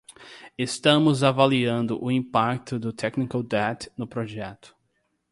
Estamos avaliando o impacto do technical debt no projeto.